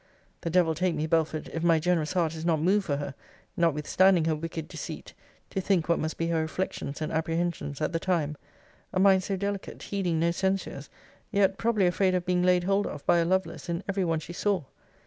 The devil take me, Belford, if my generous heart is not moved for her, notwithstanding her wicked deceit, to think what must be her reflections and apprehensions at the time: A mind so delicate, heeding no censures; yet, probably afraid of being laid hold of by a Lovelace in every one she saw!